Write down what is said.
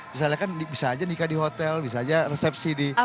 misalnya kan bisa aja nikah di hotel bisa aja resepsi di